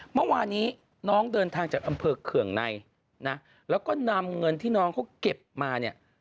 เมื่อวานนี้น้องเดินทางจากอำเภอเคืองในนะแล้วก็นำเงินที่น้องเขาเก็บมาเนี่ย